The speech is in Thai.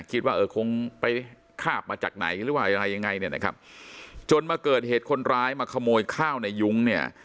คิดว่าเออคงไปคาบมาจากไหนหรือว่าอะไรยังไงเนี่ยนะครับจนมาเกิดเหตุคนร้ายมาขโมยข้าวในยุ้งเนี่ย